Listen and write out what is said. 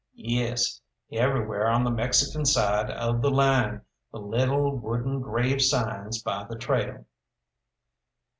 "Yes, everywhere on the Mexican side of the line the little wooden grave signs by the trail."